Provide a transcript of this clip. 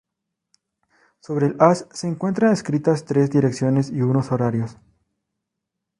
Sobre el as se encuentran escritas tres direcciones y unos horarios.